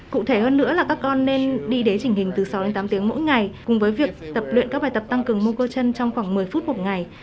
cụ thể hơn nữa là các con nên đi đế chỉnh hình từ sáu đến tám tiếng mỗi ngày cùng với việc tập luyện các bài tập tăng cường mô cơ chân trong khoảng một mươi phút một ngày